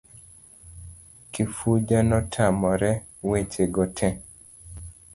Kifuja notamore weche go te.